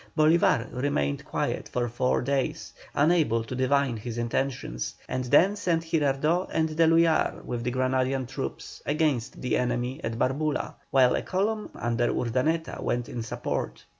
Bolívar remained quiet for four days, unable to divine his intentions, and then sent Girardot and D'Eluyar with the Granadian troops against the enemy at Barbula, while a column under Urdaneta went in support.